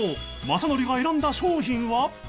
雅紀が選んだ商品は